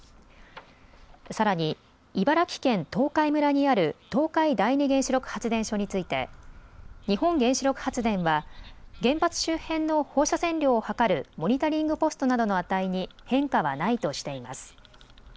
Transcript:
さらに茨城県東海村にある東海第二原子力発電所について日本原子力発電は原発周辺の放射線量を測るモニタリングポストなどの値に変化はないとしています。